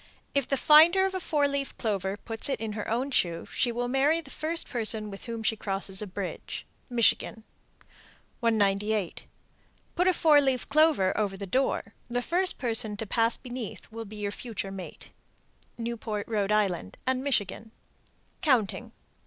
If the finder of a four leaved clover put it in her own shoe, she will marry the first person with whom she crosses a bridge. Michigan. 198. Put a four leaved clover over the door. The first person to pass beneath will be your future mate. Newport, R.I., and Michigan. COUNTING.